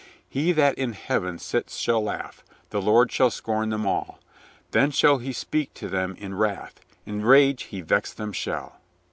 'He that In Heaven sits shall laugh ; The Lord shall scorn them all. Then shall He speak to them in wrath, In rage He vex them shall.'